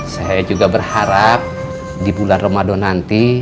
saya juga berharap di bulan ramadan nanti